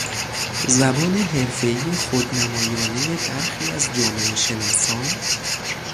زبان حرفهای خودنمایانهی برخی از جامعه شناسان